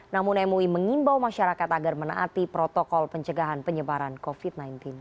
namun mui mengimbau masyarakat agar menaati protokol pencegahan penyebaran covid sembilan belas